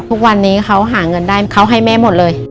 ทุกวันนี้เขาหาเงินได้เขาให้แม่หมดเลย